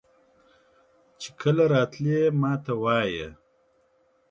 چې کله راتلې ماته وایه.